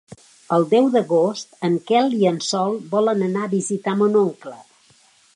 El deu d'agost en Quel i en Sol volen anar a visitar mon oncle.